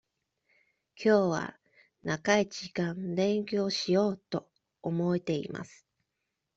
今晩は長い時間勉強しようと思っています。